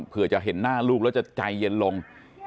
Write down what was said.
เพื่อจะเห็นหน้าลูกแล้วจะใจเย็นลง